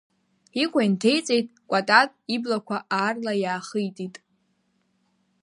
Икәа инҭеиҵеит, Кәатат иблақәа аарла иаахитит.